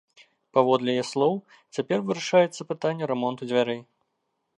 Паводле яе слоў, цяпер вырашаецца пытанне рамонту дзвярэй.